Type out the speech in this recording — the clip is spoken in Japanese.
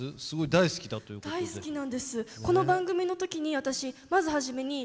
大好きなんです。